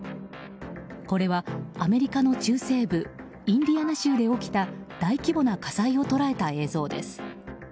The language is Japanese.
これは、アメリカの中西部インディアナ州で起きた大規模な火災を捉えた映像です。